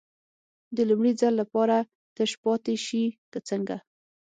د لومړي ځل لپاره تش پاتې شي که څنګه.